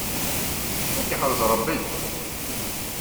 Ad k-iḥrez Rebbi!